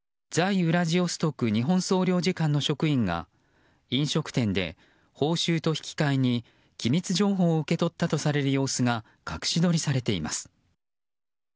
ウラジオストク日本総領事館の職員が飲食店で報酬と引き換えに機密情報を受け取ったとされる様子が隠し撮りされています。